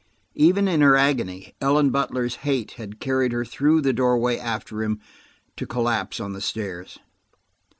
Even in her agony, Ellen Butler's hate had carried her through the doorway after him, to collapse on the stairs.